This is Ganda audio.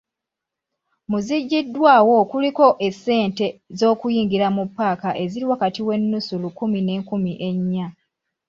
Mu ziggyiddwawo kuliko essente z'okuyingira mu paaka eziri wakati w'ennusu lukumi n'enkumi ennya..